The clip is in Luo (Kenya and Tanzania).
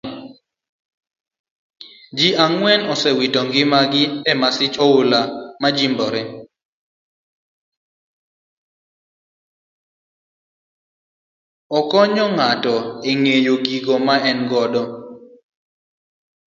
Okonyo ng'ato e ng'eyo gigo ma en godo